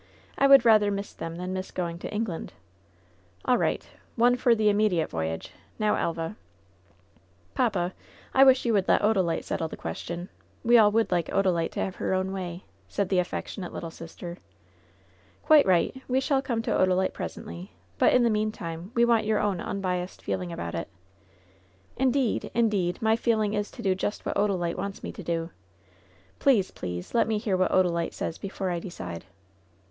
"I would rather miss them than miss going to England." "AH right. One for the immediate voyage. Now, ElvaT "Papa, I wish you would let Odalite settle the ques tion. We all would like Odalite to have her own way, said the affectionate little sister. "Quite right ; we shall come to Odalite presently ; but, in the meantime, we want your own unbiased feeling about it." "Indeed, indeed, my feeling is to do just what Oda lite wants me to do ! Please, please, let me hear what Odalite says before I decide."